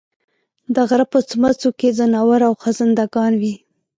د غرۀ په څمڅو کې ځناور او خزندګان وي